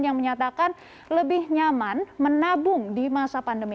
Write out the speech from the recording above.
yang menyatakan lebih nyaman menabung di masa pandemi